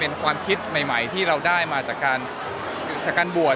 เป็นความคิดใหม่ที่เราได้มาจากการบวช